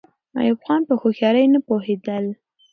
ایوب خان په هوښیارۍ نه پوهېدل.